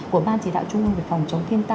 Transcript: của ban chỉ đạo uvt